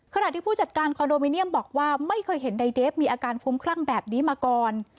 ขณะที่ผู้จัดการคอนโดมิเนียมบอกว่าไม่เคยเห็นในเดฟมีอาการคุ้มคลั่งแบบนี้มาก่อน